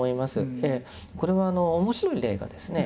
これは面白い例がですね